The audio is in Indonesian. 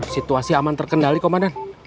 situasi aman terkendali komandan